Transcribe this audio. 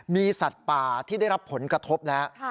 มีสัตว์ป่าที่ได้รับผลกระทบแล้ว